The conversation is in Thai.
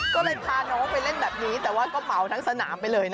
ก็เลยพาน้องไปเล่นแบบนี้แต่ว่าก็เหมาทั้งสนามไปเลยนะ